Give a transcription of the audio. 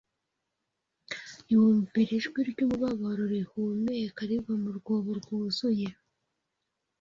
Yumva iri jwi ryumubabaro rihumeka riva mu rwobo rwuzuye.